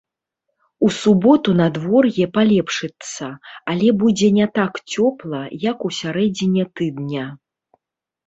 У суботу надвор'е палепшыцца але будзе не так цёпла, як у сярэдзіне тыдня.